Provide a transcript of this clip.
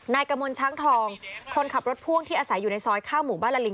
กระมวลช้างทองคนขับรถพ่วงที่อาศัยอยู่ในซอยข้างหมู่บ้านละลิง